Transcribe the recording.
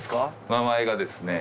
名前がですね